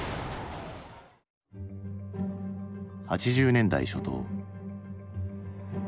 ８０年代初頭。